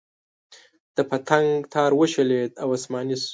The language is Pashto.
د پتنګ تار وشلېد او اسماني شو.